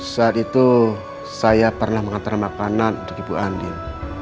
saat itu saya pernah mengantar makanan ke bu andin